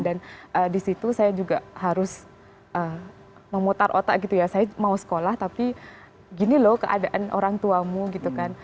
dan di situ saya juga harus memutar otak gitu ya saya mau sekolah tapi gini loh keadaan orang tuamu gitu kan